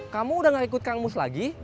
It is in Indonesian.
kamu udah gak ikut kang mus lagi